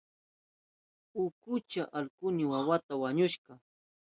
Unkushka allkuyni wawaka wañushka.